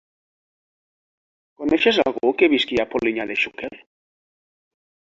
Coneixes algú que visqui a Polinyà de Xúquer?